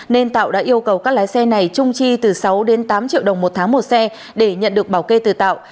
nên tạo đã yêu cầu các lái xe này trung chi từ sáu đến tám triệu đồng một tháng một xe để nhận được bảo kê từ tạo